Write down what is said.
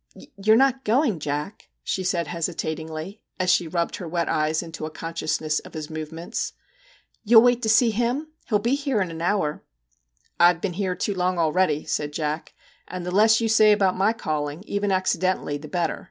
'You're not going, Jack?' she said hesi tatingly, as she rubbed her wet eyes into a consciousness of his movements. ' You'll wait to see him ? He '11 be here in an hour.' ' 1 Ve been here too long already,' said Jack. 1 And the less you say about my calling, even accidentally, the better.